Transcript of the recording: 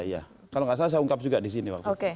iya kalau tidak salah saya ungkap juga di sini